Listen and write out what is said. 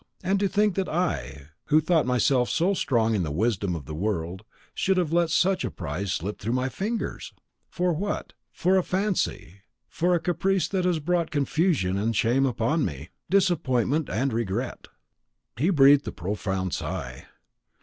And to think that I, who thought myself so strong in the wisdom of the world, should have let such a prize slip through my fingers? For what? For a fancy, for a caprice that has brought confusion and shame upon me disappointment and regret." He breathed a profound sigh.